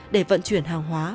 để vận chuyển hàng hóa